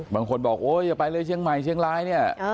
บางคนบอกโอ๊ยอย่าไปเลยเชียงใหม่เชียงรายเนี่ย